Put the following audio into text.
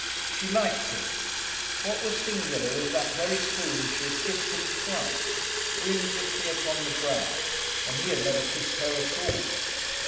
She liked him. What was singular was that very soon she had kissed him thrice, whimsically upon the brow, and he had never kissed her at all.